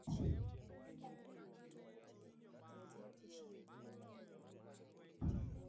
Bisop ne onyiso gi ni giket lwedo e twak moro amora.